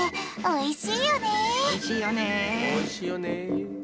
おいしいよね。